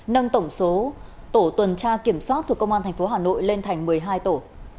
nâng tổng số tổ tuần tra kiểm soát thuộc công an tp hà nội lên thành một mươi hai tổ